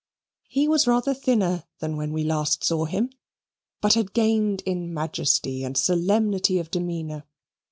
He was rather thinner than when we last saw him, but had gained in majesty and solemnity of demeanour.